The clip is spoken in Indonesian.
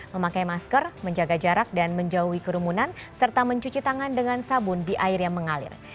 memakai masker menjaga jarak dan menjauhi kerumunan serta mencuci tangan dengan sabun di air yang mengalir